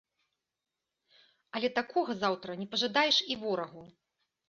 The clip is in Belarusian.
Але такога заўтра не пажадаеш і ворагу.